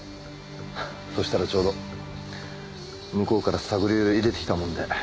そしたらちょうど向こうから探りを入れてきたもんで。